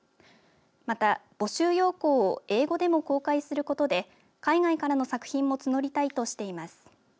また、募集要項を英語でも公開することで海外からの作品も募りたいとしています。